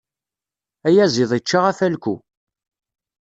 Ayaziḍ ičča afalku.